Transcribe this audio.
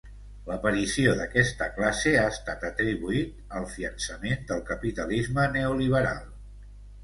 L'aparició d'aquesta classe ha estat atribuït al fiançament del capitalisme neoliberal.